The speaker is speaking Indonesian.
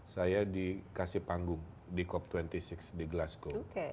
saya dikasih panggung di cop dua puluh enam di glasgow